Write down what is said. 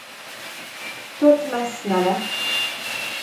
Thotmesz neve.